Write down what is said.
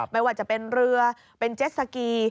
ไม่ว่าจะเป็นเรือเป็นเจ็ดสกี